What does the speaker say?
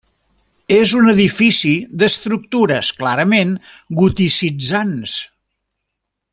És un edifici d'estructures clarament goticitzants.